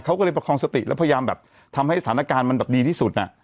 เขาก็เลยประคองสติแล้วพยายามแบบทำให้สถานการณ์มันแบบดีที่สุด